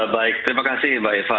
baik terima kasih mbak eva